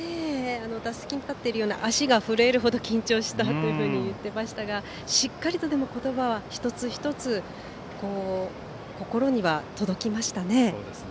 打席に立っているように足が震えるほど緊張したと言っていましたがでも、しっかりと言葉一つ一つが心に届きましたね。